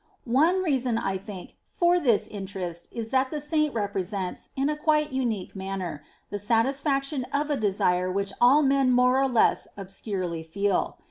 One reason, I think, for this interest is that the Saint represents, in a quite unique manner, the satisfaction of a desire which all men more or less obscurely feel.